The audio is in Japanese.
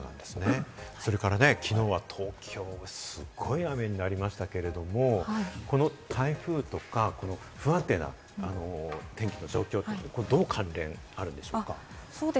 それから、きのうは東京もすごい雨になりましたけれども、この台風とか不安定な天気の状況はどう関連あるんでしょうか？